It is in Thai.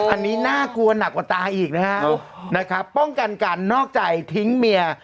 อันนี้น่ากลัวหนักกว่าตาอีกนะฮะนะครับป้องกันการนอกใจทิ้งเมีย